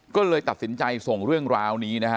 ก็เลยตัดสินใจส่งเรื่องราวนี้นะฮะ